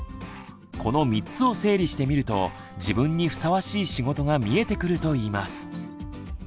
この３つを整理してみると自分にふさわしい仕事が見えてくると言います。